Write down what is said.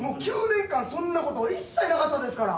９年間そんなこと一切なかったですから。